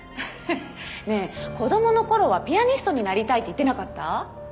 ねえ子供の頃はピアニストになりたいって言ってなかった？